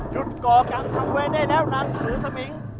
หยุดก่อกลางทางไว้ได้แล้วน้ำสือสมิง